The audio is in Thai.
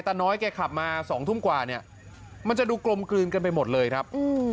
น้อยแกขับมาสองทุ่มกว่าเนี่ยมันจะดูกลมกลืนกันไปหมดเลยครับ